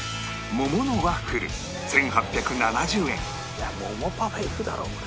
いや桃パフェいくだろこれ。